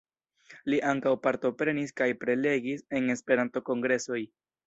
Li ankaŭ partoprenis kaj prelegis en Esperanto-kongresoj.